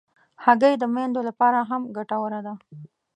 هګۍ د میندو لپاره هم ګټوره ده.